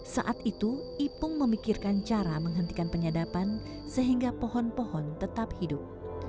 saat itu ipung memikirkan cara menghentikan penyadapan sehingga pohon pohon tetap hidup